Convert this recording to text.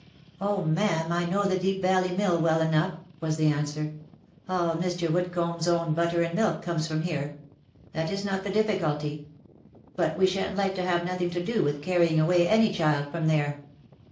" Oh ! ma'am, I know the Deep Valley Mill well enough," was the answer. " All Mr. Woodcomb's own butter and milk comes from here. That is not the difficulty. But we shan't like to have nothing to do with carrying away any child from there."